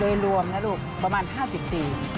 โดยรวมนะลูกประมาณ๕๐ปี